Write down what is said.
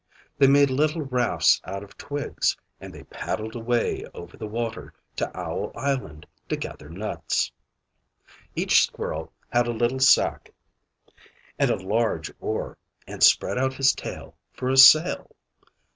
They made little rafts out of twigs, and they paddled away over the water to Owl Island to gather nuts. Each squirrel had a little sack and a large oar, and spread out his tail for a sail.